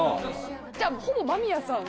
じゃほぼ間宮さん。